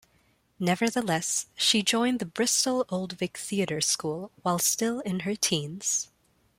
Nevertheless, she joined the Bristol Old Vic Theatre School while still in her teens.